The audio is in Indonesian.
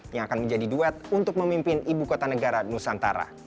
yang akan menjadi duet untuk memimpin ibu kota negara nusantara